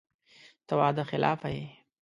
ته وعده خلافه یې !